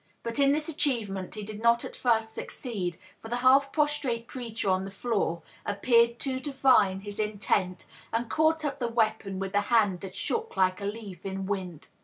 But in this achievement he did not at first succeed ; for the half prostrate creature on the floor appeared to divine his intent, and caught up the weapon with a hand that shook like a leaf in wind.